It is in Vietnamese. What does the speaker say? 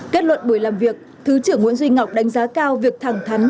kết luận buổi làm việc thứ trưởng nguyễn duy ngọc đánh giá cao việc thẳng thắn